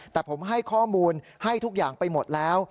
แต่ผมให้ข้อมูลให้ทุกอย่างไปหมดแล้ว